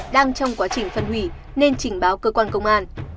đang trong quá trình phân hủy nên trình báo cơ quan công an